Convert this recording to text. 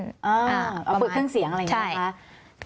อ๋อประมาณใช่เอาฝึกเครื่องเสียงอะไรอย่างนี้ค่ะ